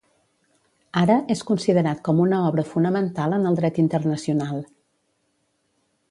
Ara, és considerat com una obra fonamental en el dret internacional.